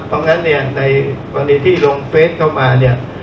เพราะฉะนั้นในวันนี้ที่ลงเฟสเข้ามาเนี่ย